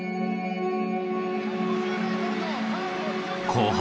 後半。